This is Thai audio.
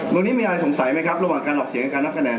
ตรงนี้มีอะไรสงสัยไหมครับระหว่างการออกเสียงการนับคะแนน